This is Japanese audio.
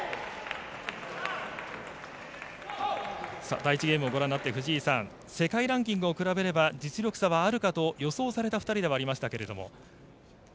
第１ゲームをご覧になって藤井さん世界ランキングを比べれば実力差はあるかと予想された２人ではありましたけれども。